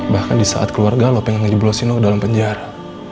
bahkan disaat keluarga lo pengen dibelosin lo dalam penjara